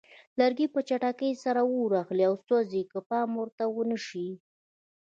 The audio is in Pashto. لرګي په چټکۍ سره اور اخلي او سوځي که پام ورته ونه شي.